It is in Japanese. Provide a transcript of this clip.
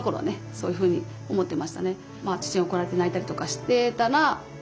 そういうふうに思ってましたね。